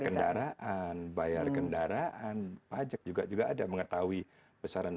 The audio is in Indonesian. cek kendaraan bayar kendaraan pajak juga ada mengetahui besaran